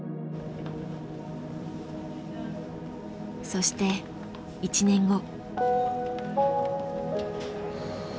そして１年後。